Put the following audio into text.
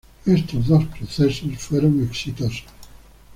Estos dos procesos fueron exitosos.